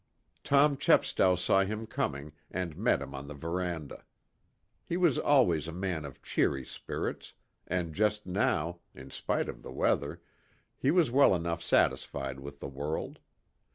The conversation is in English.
Tom Chepstow saw him coming, and met him on the veranda. He was always a man of cheery spirits, and just now, in spite of the weather, he was well enough satisfied with the world.